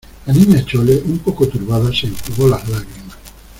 la Niña Chole, un poco turbada , se enjugó las lágrimas.